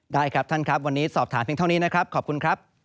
ได้ครับท่านครับวันนี้สอบถามเพียงเท่านี้นะครับขอบคุณครับ